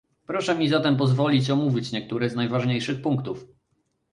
Proszę mi zatem pozwolić omówić niektóre z najważniejszych punktów